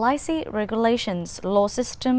mà chính phủ đã làm trong việt nam